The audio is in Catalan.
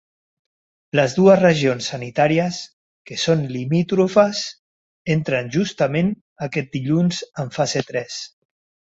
Les dues regions sanitàries, que són limítrofes, entren justament aquest dilluns en fase tres.